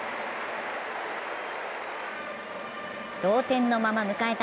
同点のまま迎えた